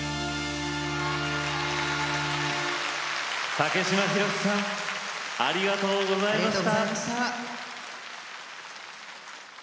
竹島宏さんありがとうございました。